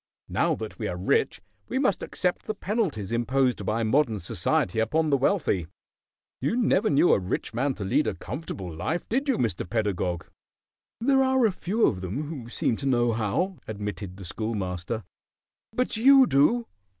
Now that we are rich we must accept the penalties imposed by modern society upon the wealthy. You never knew a rich man to lead a comfortable life, did you, Mr. Pedagog?" "There are few of them who seem to know how," admitted the Schoolmaster. "But you do."